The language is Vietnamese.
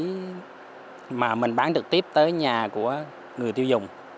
các đại lý mà mình bán trực tiếp tới nhà của người tiêu dùng